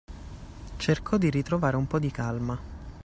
Cercò di ritrovare un po' di calma.